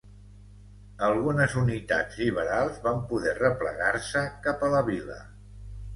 Algunes unitats lliberals van poder replegar-se cap a la vila.